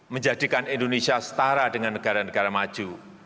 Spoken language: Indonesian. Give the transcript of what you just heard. menjadikan indonesia setara dengan negara negara maju